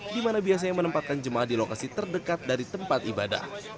di mana biasanya menempatkan jemaah di lokasi terdekat dari tempat ibadah